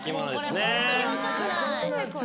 もうこれホントに分かんない。